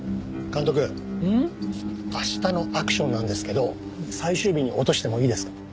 明日のアクションなんですけど最終日に落としてもいいですか？